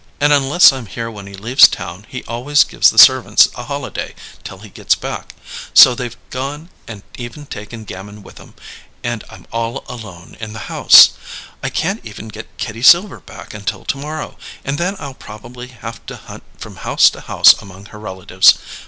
And unless I'm here when he leaves town he always gives the servants a holiday till he gets back; so they've gone and even taken Gamin with 'em, and I'm all alone in the house. I can't get even Kitty Silver back until to morrow, and then I'll probably have to hunt from house to house among her relatives.